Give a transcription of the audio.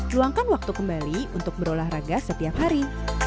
luangkan waktu kembali untuk berolahraga setiap hari